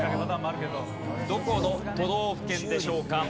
どこの都道府県でしょうか？